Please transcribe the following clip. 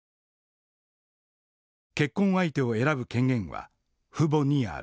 結婚相手を選ぶ権限は父母にある。